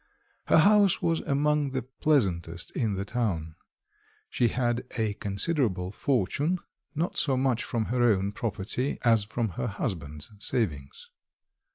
Her house was among the pleasantest in the town. She had a considerable fortune, not so much from her own property as from her husband's savings.